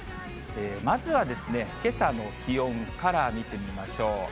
まずはけさの気温から見てみましょう。